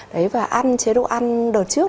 đấy và ăn chế độ ăn đợt trước